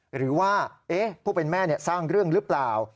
หรือว่าผู้เป็นแม่สร้างเรื่องหรือเปล่า